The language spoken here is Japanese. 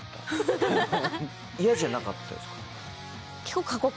嫌じゃなかったですか？